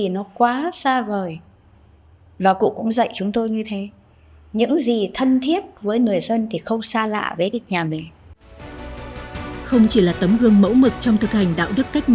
nguyễn nguyễn túc